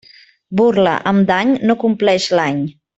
Burla amb dany no compleix l'any.